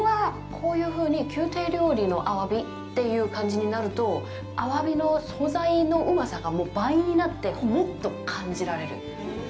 こういうふうに宮廷料理のアワビっていう感じになると、アワビの素材のうまさがもう倍になって、もっと感じられる！